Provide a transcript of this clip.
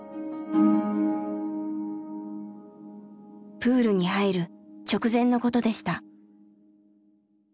プールに入る直前のことでした。